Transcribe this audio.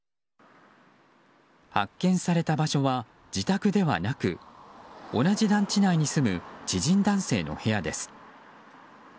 発見された場所は自宅ではなく同じ団地内に住む知人男性の部屋です。